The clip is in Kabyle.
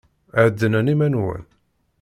Heddnem iman-nwen.